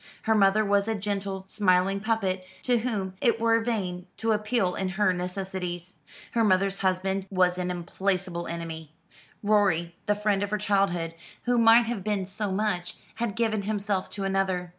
Her mother was a gentle, smiling puppet, to whom it were vain to appeal in her necessities. Her mother's husband was an implacable enemy. Rorie, the friend of her childhood who might have been so much had given himself to another.